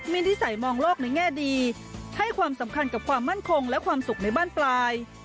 มีนิสัยมองโลกในแง่ดีให้ความสำคัญกับความมั่นคงและความสุขในบ้านปลาย